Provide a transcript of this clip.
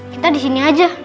kita disini aja